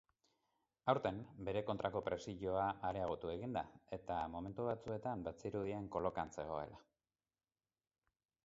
Aurten bere kontrako presioa areagotu egin da eta momentu batzuetan bazirudien kolokan zegoela.